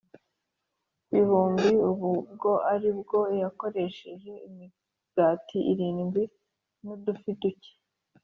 bihumbi Ubu bwo ariko yakoresheje imigati irindwi n udufi duke